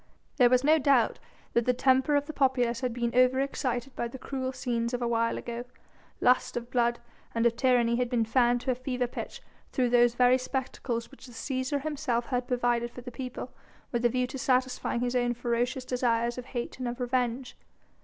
There was no doubt that the temper of the populace had been over excited by the cruel scenes of a while ago; lust of blood and of tyranny had been fanned to fever pitch through those very spectacles which the Cæsar himself had provided for the people, with a view to satisfying his own ferocious desires of hate and of revenge.